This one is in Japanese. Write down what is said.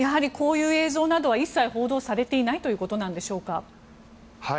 こういう映像は一切報道されていないということでしょうか？